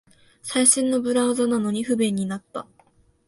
最新のブラウザなのに不便になった